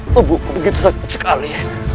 tepukku begitu sakit sekali